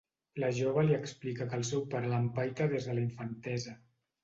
La jove li explica que el seu pare l'empaita des de la infantesa.